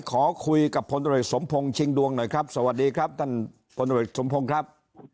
ขอคุยกับพลตรวจสมพงษ์ชิงดวงหน่อยครับสวัสดีครับท่านพลตรวจสมพงศ์ครับ